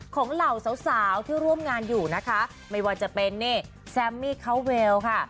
เหล่าสาวสาวที่ร่วมงานอยู่นะคะไม่ว่าจะเป็นนี่แซมมี่เขาเวลค่ะ